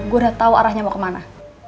gue udah tau arahnya mau kemana